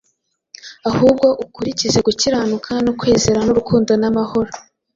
ahubwo ukurikize gukiranuka no kwizera n’urukundo n’amahoro,